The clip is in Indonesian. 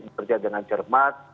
bekerja dengan cermat